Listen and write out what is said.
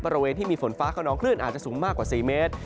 บริเวณที่มีฝนฟ้าขนองคลื่นอาจจะสูงมากกว่า๔เมตร